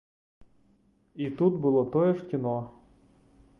І тут было тое ж кіно.